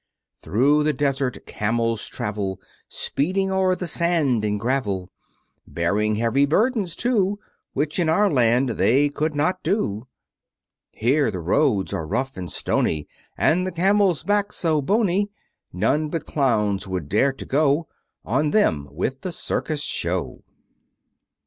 Through the desert Camels travel, Speeding o'er the sand and gravel, Bearing heavy burdens too, Which in our land they could not do. Here the roads are rough and stony; And the Camel's back's so bony, None but Clowns would dare to go On them, with the Circus Show.